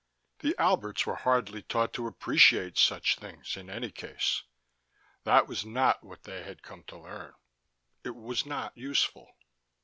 The Alberts were hardly taught to appreciate such things in any case: that was not what they had come to learn: it was not useful.